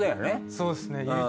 そうですね唯一。